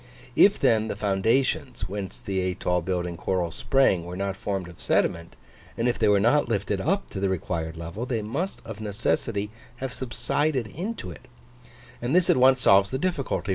If then the foundations, whence the atoll building corals sprang, were not formed of sediment, and if they were not lifted up to the required level, they must of necessity have subsided into it; and this at once solves the difficulty.